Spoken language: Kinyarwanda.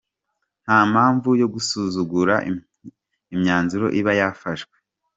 Nta mpamvu yo gusuzugura imyanzuro iba yafashwe.